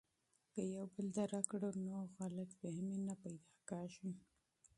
که یو بل درک کړو نو غلط فهمي نه پیدا کیږي.